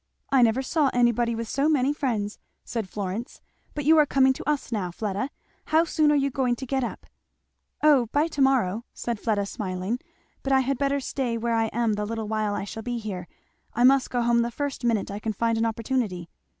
"I never saw anybody with so many friends!" said Florence. "But you are coming to us now, Fleda. How soon are you going to get up?" "O by to morrow," said Fleda smiling; "but I had better stay where I am the little while I shall be here I must go home the first minute I can find an opportunity."